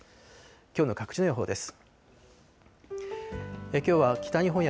きょうの各地の予報です。